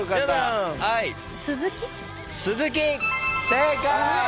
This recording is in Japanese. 正解！